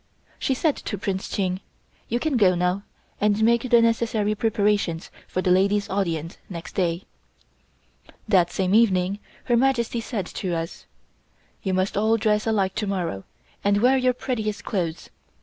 She said to Prince Ching: "You can go now, and make the necessary preparations for the ladies' audience next day." That same evening Her Majesty said to us: "You must all dress alike to morrow, and wear your prettiest clothes.